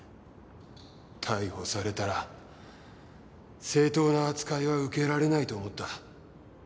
逮捕されたら正当な扱いは受けられないと思った。